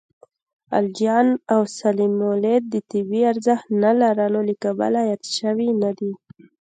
الجیان او سلیمولد د طبی ارزښت نه لرلو له کبله یاد شوي نه دي.